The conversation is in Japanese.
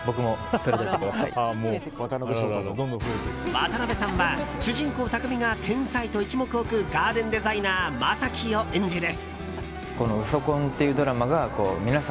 渡辺さんは主人公・匠が天才と一目置くガーデンデザイナー将暉を演じる。